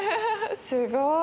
すごい。